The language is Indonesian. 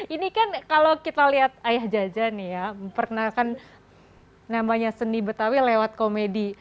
ini kan kalau kita lihat ayah jaja nih ya pernah kan namanya seni betawi lewat komedi